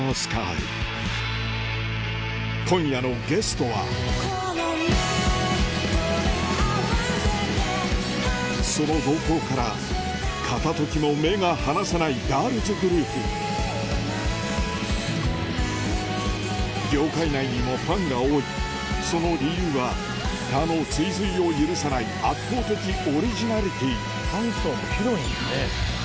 この目と目合わせてその動向から片時も目が離せないガールズグループ業界内にもファンが多いその理由は他の追随を許さない圧倒的オリジナリティーファン層も広いんよね。